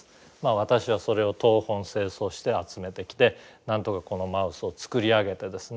私はそれを東奔西走して集めてきてなんとかこのマウスを作り上げてですね